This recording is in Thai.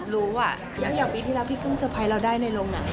แล้วปีทีล้วนพี่ก็เอาสไปร์เราได้ในโรงหนัง